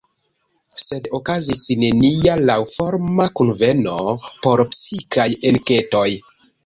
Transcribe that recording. Sed okazis nenia laŭforma kunveno por psikaj enketoj.